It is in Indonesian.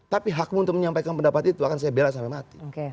tapi hakmu untuk menyampaikan pendapat itu akan saya bela sampai mati